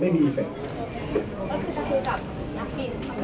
แล้วคือจะคุยกับนักบิน